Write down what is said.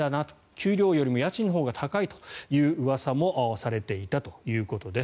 給料よりも家賃のほうが高いといううわさもされていたということです。